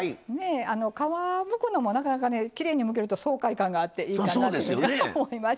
皮むくのもなかなかきれいにむけると爽快感があっていいかなと思います。